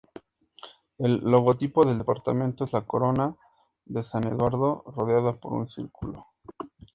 El logotipo del departamento es la corona de San Eduardo rodeada por un círculo.